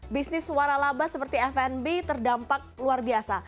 bisnis waralaba seperti fnb terdampak luar biasa